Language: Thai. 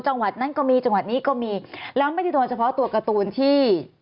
จังหวัดนั้นก็มีจังหวัดนี้ก็มีแล้วไม่ได้โดนเฉพาะตัวการ์ตูนที่